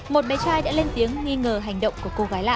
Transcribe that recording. một bé trai đã lên tiếng nghi ngờ hành động của cô gái lạ